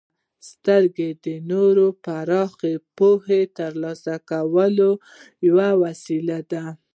•سترګې د نور پراخه پوهه د ترلاسه کولو یوه وسیله ده.